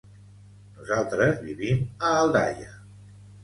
Nosaltres vivim a Aldaia.